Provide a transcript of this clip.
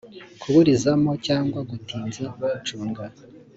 kuburizamo cyangwa gutinza gucunga